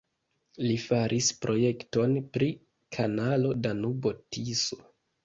Li faris projekton pri kanalo Danubo-Tiso.